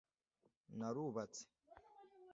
narubatse